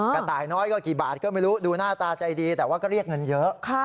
กระต่ายน้อยก็กี่บาทก็ไม่รู้ดูหน้าตาใจดีแต่ว่าก็เรียกเงินเยอะ